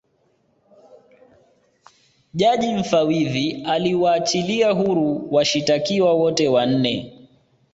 jaji mfawidhi aliwachilia huru washitakiwa wote wanne